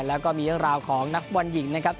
แล้วก็มียังราวของนักบอลหญิงนะครับ